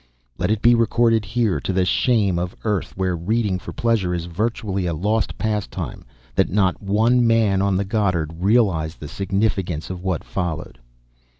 Let it be recorded here, to the shame of an Earth where reading for pleasure is virtually a lost pastime, that not one man on the Goddard realized the significance of what followed.